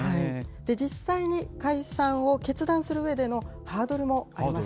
実際に解散を決断するうえでのハードルもあります。